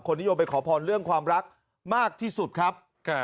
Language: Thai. นิยมไปขอพรเรื่องความรักมากที่สุดครับ